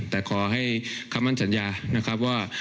แต่ขอให้คำมั่นสัญญานะครับว่า